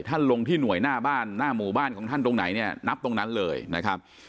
ลงที่หน่วยหน้าบ้านหน้าหมู่บ้านของท่านตรงไหนเนี่ยนับตรงนั้นเลยนะครับ